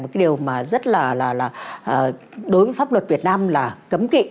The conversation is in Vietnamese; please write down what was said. một cái điều mà rất là là là đối với pháp luật việt nam là cấm kị